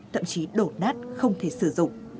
thậm chí đổ nát không thể sử dụng